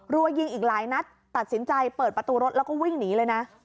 รัวยิงอีกหลายนัดตัดสินใจเปิดประตูรถแล้วก็วิ่งหนีเลยนะ